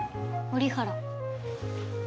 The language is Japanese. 折原。